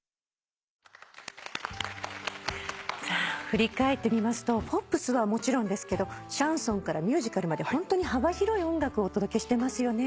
振り返ってみますとポップスはもちろんですけどシャンソンからミュージカルまで幅広い音楽をお届けしてますよね。